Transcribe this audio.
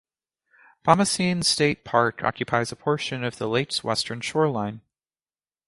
Bomoseen State Park occupies a portion of the lake's western shoreline.